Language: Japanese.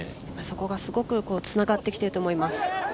そこがすごくつながってきていると思います。